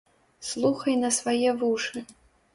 Слухай на свае вушы!